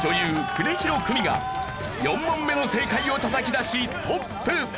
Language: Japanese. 呉城久美が４問目の正解をたたき出しトップ！